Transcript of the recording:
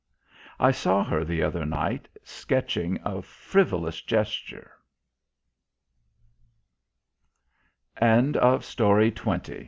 I saw her the other night sketching a frivolous gesture THE DICE THROWER B